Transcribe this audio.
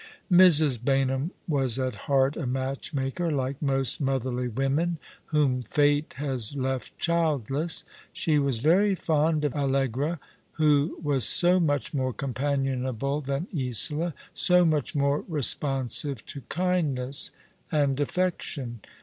Mrs. Baynham was at heart a matchmaker, like most motherly women whom fate has left childless. She was very fond of Allegra, who was so much more companionable than Isola, so much more responsive to kindness and affection.